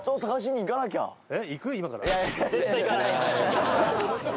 行かない。